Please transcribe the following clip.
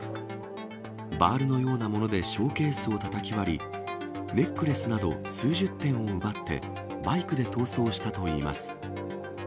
バールのようなものでショーケースをたたき割り、ネックレスなど数十点を奪って、バイクで逃走したといいます。